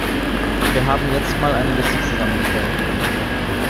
Wir haben jetzt mal eine Liste zusammengestellt.